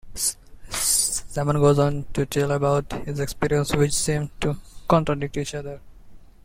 Simon goes on to tell about his experiences, which seem to contradict each other.